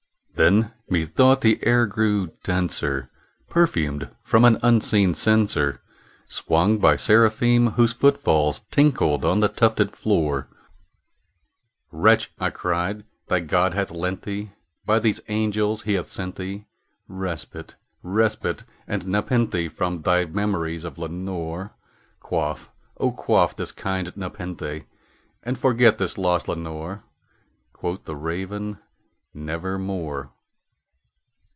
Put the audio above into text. Then, methought, the air grew denser, perfumed from an unseen censer Swung by Seraphim whose foot falls tinkled on the tufted floor. "Wretch," I cried, "thy God hath lent thee by these angels he hath sent thee Respite respite aad nepenthé from thy memories of Lenore! Quaff, oh quaff this kind nepenthé, and forget this lost Lenore!" Quoth the Raven, "Nevermore."